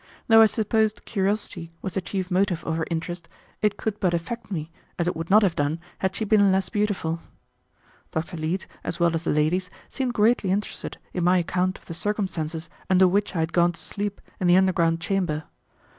Though I supposed curiosity was the chief motive of her interest, it could but affect me as it would not have done had she been less beautiful. Dr. Leete, as well as the ladies, seemed greatly interested in my account of the circumstances under which I had gone to sleep in the underground chamber.